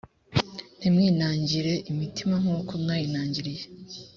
ntimwinangire imitima nk uko mwayinangiriye